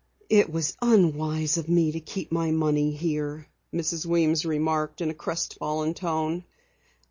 "It was unwise of me to keep my money here," Mrs. Weems remarked in a crestfallen tone.